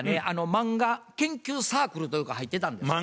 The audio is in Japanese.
漫画研究サークルというとこ入ってたんですよ。